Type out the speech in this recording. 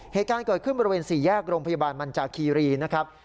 เหตุการณ์เกิดขึ้นบริเวณ๔แยกโรงพยาบาลมันจากคีรีนะครับ